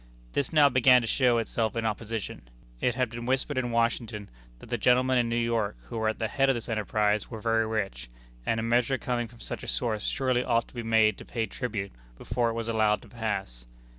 This now began to show itself in opposition. It had been whispered in Washington that the gentlemen in New York who were at the head of this enterprise were very rich; and a measure coming from such a source surely ought to be made to pay tribute before it was allowed to pass.